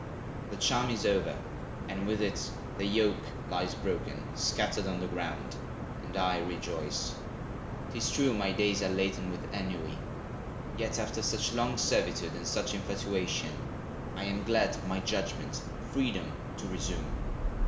The charm is over, and, with it, the yoke Lies broken, scattered on the ground; and I Rejoice. 'Tis true my days are laden with Ennui; yet after such long servitude, And such infatuation, I am glad My judgment, freedom to resume.